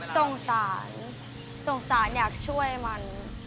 สงสารสงสารอยากช่วยมัน